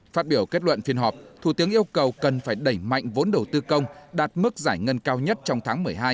phát biểu kết luận phiên họp thủ tướng yêu cầu cần phải đẩy mạnh vốn đầu tư công đạt mức giải ngân cao nhất trong tháng một mươi hai